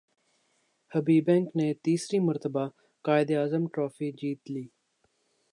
حبیب bank نے تیسری مرتبہ قائد اعظم ٹرافی جیت لی